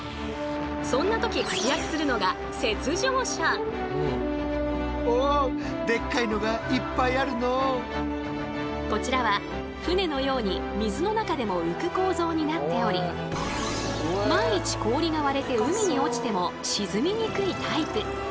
そんな時活躍するのがこちらは船のように水の中でも浮く構造になっており万一氷が割れて海に落ちても沈みにくいタイプ。